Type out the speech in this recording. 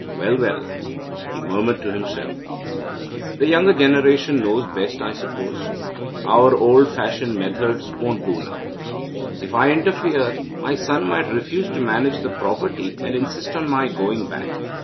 'Well, well,' he murmured to himself, 'the younger generation knows best, I suppose. Our old fashioned methods won't do now. If I interfere, my son might refuse to manage the property, and insist on my going back.